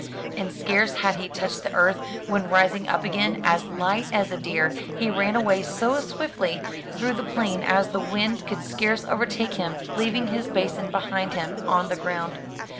And scarce had he touched the earth, when rising up again as light as a deer, he ran away so swiftly through the plain as the wind could scarce overtake him, leaving his basin behind him on the ground.